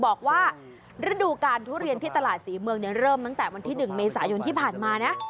บอกว่าฤดูการทุเรียนที่ตลาดศรีเมืองเริ่มตั้งแต่วันที่๑เมษายนที่ผ่านมานะ